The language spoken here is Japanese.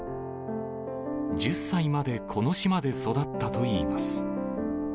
１０歳までこの島で育ったといいます。